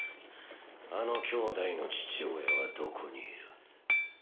あの兄妹の父親はどこにいる？